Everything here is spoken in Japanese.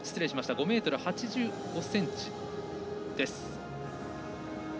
５ｍ８５ｃｍでした。